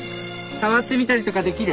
触ってみたりとかできる？